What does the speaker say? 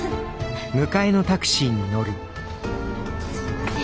すみません。